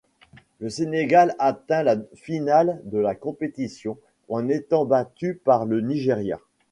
Le Sénégal atteint la finale de la compétition, en étant battu par le Nigeria.